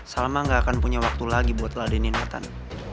salma gak akan punya waktu lagi buat ladenin